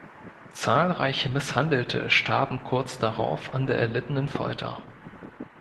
Zahlreiche Misshandelte starben kurz darauf an der erlittenen Folter.